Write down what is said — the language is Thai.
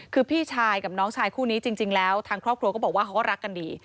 คือพี่ชายกับน้องชายคู่นี้จริงแล้วทางครอบครัวก็บอกว่าเขาก็รักกันดี